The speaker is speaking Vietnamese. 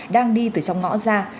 đang đi từ trong ngõ ra